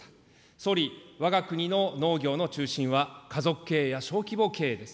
総理、わが国の農業の中心は家族経営や小規模経営です。